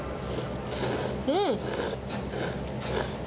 うん！